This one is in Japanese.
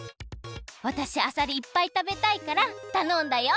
わたしあさりいっぱいたべたいからたのんだよ！